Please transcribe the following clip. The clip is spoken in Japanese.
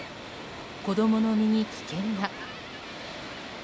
子供の身に危険が。